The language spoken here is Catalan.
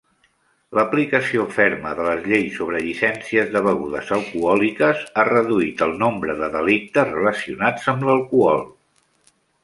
L'aplicació ferma de les lleis sobre llicències de begudes alcohòliques ha reduït el nombre de delictes relacionats amb l'alcohol.